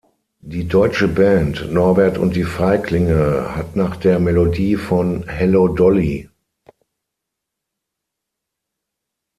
Die deutsche Band Norbert und die Feiglinge hat nach der Melodie von Hello Dolly!